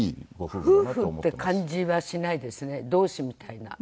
夫婦って感じはしないですね同志みたいな。